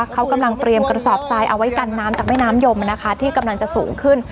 เขากำลังเตรียมกระสอบทรายเอาไว้กันน้ำจากแม่น้ำยมที่กำลังจะสูงขึ้น